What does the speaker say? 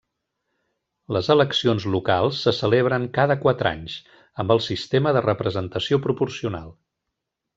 Les eleccions locals se celebren cada quatre anys amb el sistema de representació proporcional.